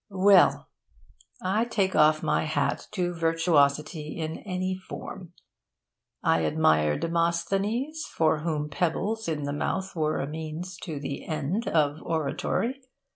Well! I take off my hat to virtuosity in any form. I admire Demosthenes, for whom pebbles in the mouth were a means to the end of oratory.